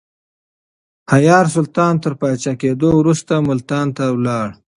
حيار سلطان تر پاچا کېدو وروسته ملتان ته ولاړ.